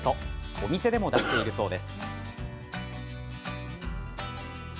お店でも出しているそうです。